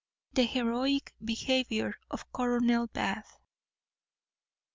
_The heroic behaviour of Colonel Bath.